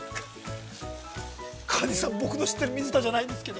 ◆川西さん、僕の知ってる水田じゃないんですけど。